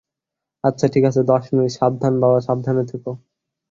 আচ্ছা ঠিক আছে - দশ মিনিট - সাবধান বাবা, সাবধানে থেকো।